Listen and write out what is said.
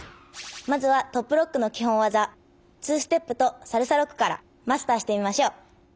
まずはトップロックのきほんわざ２ステップとサルサロックからマスターしてみましょう！